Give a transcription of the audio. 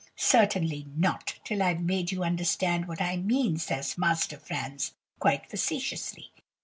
"'Certainly not, till I've made you understand what I mean,' says Master Franz, quite facetiously.